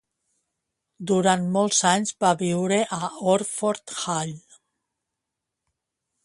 Durant molts anys va viure a Orford Hall.